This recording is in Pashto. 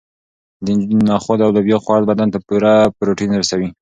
د نخودو او لوبیا خوړل بدن ته پوره پروټین رسوي.